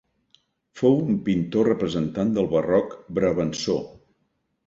Fou un pintor representant del barroc brabançó.